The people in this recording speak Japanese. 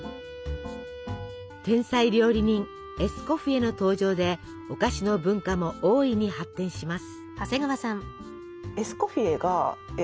天才料理人エスコフィエの登場でお菓子の文化も大いに発展します。